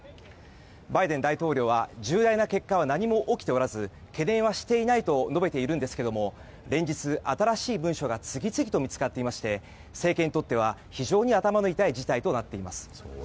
バイデン大統領は重大な結果は何も起きておらず懸念はしていないと述べているんですけれども連日、新しい文書が次々見つかっていまして政権にとっては非常に頭の痛い事態となっています。